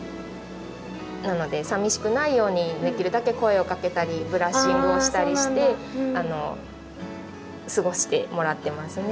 なのでさみしくないようにできるだけ声をかけたりブラッシングをしたりして過ごしてもらってますね。